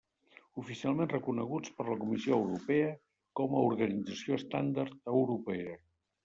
Oficialment reconeguts per la Comissió Europea com a Organització Estàndard Europea.